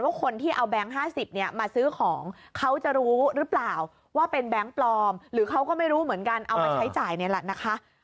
คนที่เอาแบงค์๕๐เนี่ยมาซื้อของเขาจะรู้หรือเปล่าว่าเป็นแบงค์ปลอมหรือเขาก็ไม่รู้เหมือนกันเอามาใช้จ่ายนี่แหละนะคะ